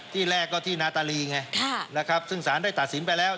ที่แรกก็ที่นาตาลีไงนะครับซึ่งสารได้ตัดสินไปแล้ว